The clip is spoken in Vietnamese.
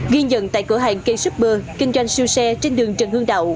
ghiên dận tại cửa hàng k super kinh doanh siêu xe trên đường trần hương đạo